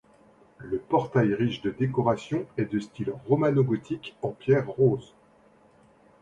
Le portail riche de décorations est de style romano-gothique en pierre rose.